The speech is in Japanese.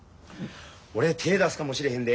俺手ぇ出すかもしれへんで。